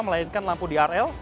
melainkan lampu drl